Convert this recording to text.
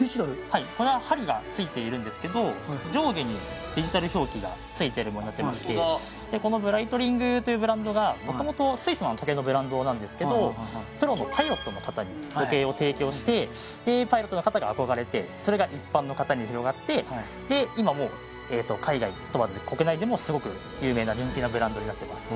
はいこれは針がついているんですけど上下にデジタル表記がついてるものになってましてでこのＢＲＥＩＴＬＩＮＧというブランドが元々スイスの時計のブランドなんですけどプロのパイロットの方に時計を提供してでパイロットの方が憧れてそれが一般の方に広がってで今もう海外問わず国内でもすごく有名な人気なブランドになってます